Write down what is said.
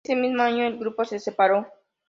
Ese mismo año, el grupo se separó.